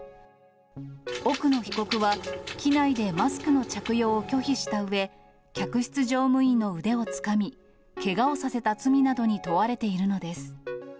奥野被告は、機内でマスクの着用を拒否したうえ、客室乗務員の腕をつかみ、けがをさせた罪などに問われているのです。